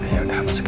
ya udah masuk ya